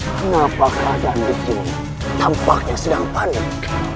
kenapa keadaan di sini tampaknya sedang panik